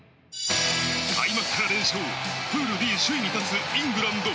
開幕から連勝、プールＤ首位に立つイングランド。